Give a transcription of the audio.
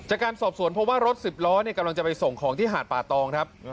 จากการสอบสวนเพราะว่ารถสิบล้อกำลังจะไปส่งของที่หาดป่าตองครับ